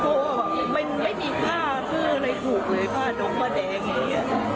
เพราะว่ามันไม่มีค่าซื้ออะไรถูกเลยผ้าดมป้าแดงอย่างนี้